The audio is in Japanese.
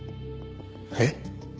えっ？